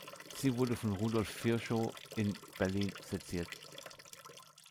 Sie wurde von Rudolf Virchow in Berlin seziert.